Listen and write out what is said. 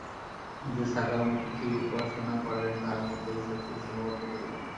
যে সাকার মূর্তিটি উপাসনা করেন, তাহার মধ্যে ঈশ্বরকে সীমাবদ্ধ করিবেন না।